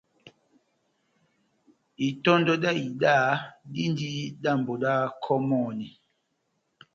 Itɔndɔ dá ida dindi dambi da kɔmɔni